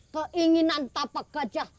keinginan tapak gajah